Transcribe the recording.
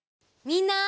みんな！